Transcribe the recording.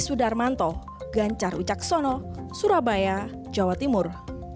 sudarmanto ganjar ucaksono surabaya jawa timur